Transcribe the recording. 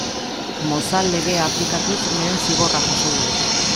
Mozal Legea aplikatuz lehen zigorra jaso dugu.